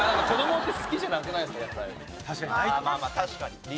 確かに。